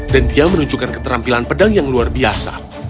dan dia menunjukkan keterampilan pedang yang luar biasa